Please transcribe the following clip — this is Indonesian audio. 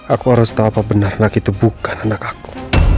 aku harus tahu apa benar anak itu bukan anak aku